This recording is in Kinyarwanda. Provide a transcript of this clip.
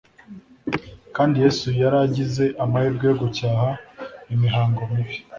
kandi Yesu yari agize amahirwe yo gucyaha imihango mibi